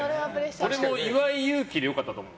俺も岩井勇気で良かったと思う。